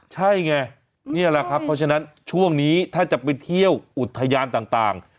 ใช่ไงนี่แหละครับเพราะฉะนั้นช่วงนี้ถ้าจะไปเที่ยวอุทยานต่าง